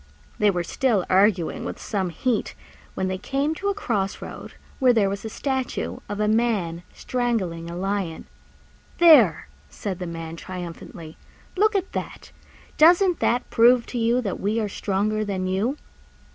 They were still arguing with some heat when they came to a cross road where there was a statue of a Man strangling a Lion. "There!" said the Man triumphantly, "look at that! Doesn't that prove to you that we are stronger than you?"